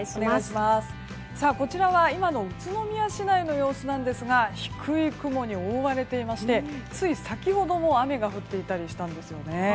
こちらは今の宇都宮市内の様子なんですが低い雲に覆われていましてつい先ほども雨が降っていたりしたんですね。